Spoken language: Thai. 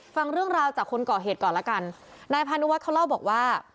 ฟังเรื่องราวจากคนก่อเหตุก่อนละกันนายพานุวัฒนเขาเล่าบอกว่า